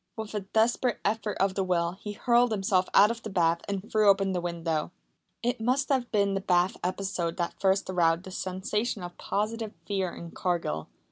With a desperate effort of the will he hurled himself out of the bath and threw open the window. It must have been the bath episode that first aroused the sensation of positive fear in Cargill.